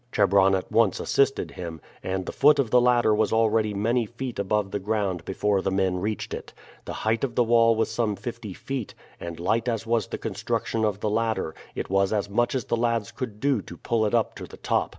Chebron at once assisted him, and the foot of the ladder was already many feet above the ground before the men reached it. The height of the wall was some fifty feet, and light as was the construction of the ladder, it was as much as the lads could do to pull it up to the top.